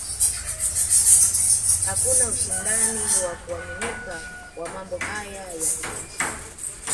Hakuna ushahidi wa kuaminika wa mambo haya ya kutisha